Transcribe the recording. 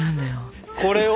これを。